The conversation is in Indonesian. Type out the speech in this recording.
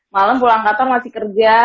malem pulang kapan masih kerja